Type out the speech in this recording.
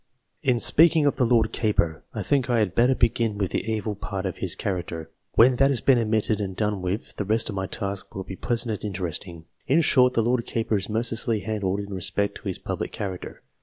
In speaking of the Lord Keeper, I think I had better begin with the evil part of his character. When that has been admitted and done with, the rest of my task will be pleasant and interesting. In short, the Lord Keeper is mercilessly handled in respect to his public character.